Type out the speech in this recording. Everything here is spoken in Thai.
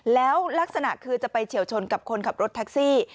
แล้วลักษณะคือจะไปเฉียวชนกับคนขับรถแท็กซี่